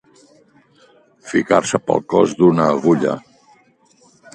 Ficar-se pel cos d'una agulla.